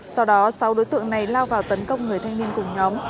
sau đó sau đối tượng này lao vào tấn công người thanh niên cùng nhóm